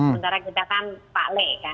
sementara kita kan pak le kan